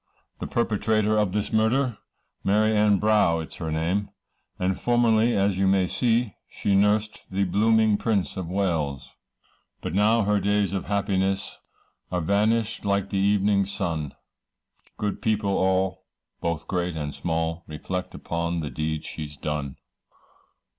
The perpetrator of this murder, Mary Ann Brough it is her name, And formerly as you may see, She nursed the blooming prince of Wales. But now her days of happiness, Are vanished like the evening's sun, Good people all, both great and small, Reflect upon the deed she's done.